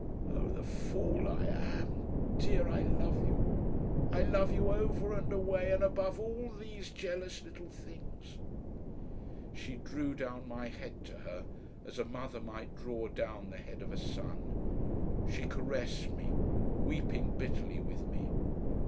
Oh, the fool I am! Dear, I love you. I love you over and away and above all these jealous little things!" She drew down my head to her as a mother might draw down the head of a son. She caressed me, weeping bitterly with me.